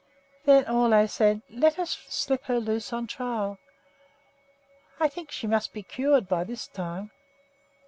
Then Ole said: "Now let us slip her loose on trial. I think she must be cured by this time."